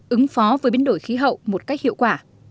ứng phó với biến đổi khí hậu một cách hiệu quả